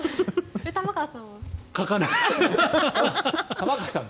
玉川さんは？